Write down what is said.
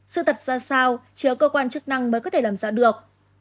sự tật ra sao chỉ ở cơ quan chức năng mới có thể làm ra được